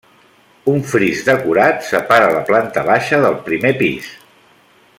Un fris decorat separa la planta baixa del primer pis.